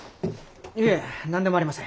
いえ何でもありません。